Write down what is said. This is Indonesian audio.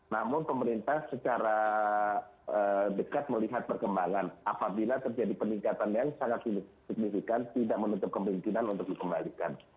namun pemerintah secara dekat melihat perkembangan apabila terjadi peningkatan yang sangat signifikan tidak menutup kemungkinan untuk dikembalikan